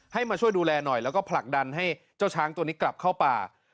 มาช่วยดูแลหน่อยแล้วก็ผลักดันให้เจ้าช้างตัวนี้กลับเข้าป่า